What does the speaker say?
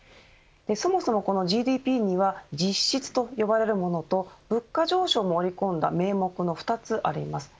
そもそも、このＧＤＰには実質と呼ばれるものと物価上昇も織り込んだ名目の２つあります。